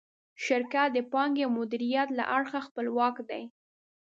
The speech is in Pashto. شرکت د پانګې او مدیریت له اړخه خپلواک دی.